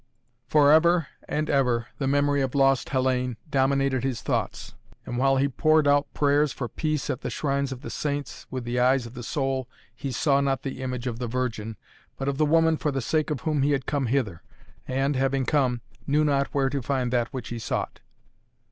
For ever and ever the memory of lost Hellayne dominated his thoughts, and, while he poured out prayers for peace at the shrines of the saints, with the eyes of the soul he saw not the image of the Virgin, but of the woman for the sake of whom he had come hither and, having come, knew not where to find that which he sought.